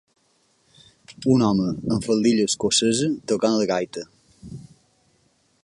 Un home amb faldilla escocesa tocant la gaita.